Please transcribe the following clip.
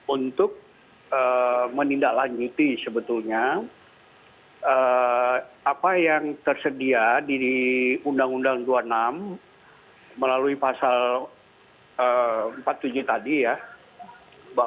untuk menindaklanjuti sebetulnya apa yang tersedia di undang undang dua puluh enam melalui pasal empat puluh tujuh tadi ya